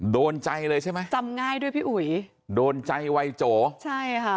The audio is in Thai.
โดนใจเลยใช่ไหมจำง่ายด้วยพี่อุ๋ยโดนใจวัยโจใช่ค่ะ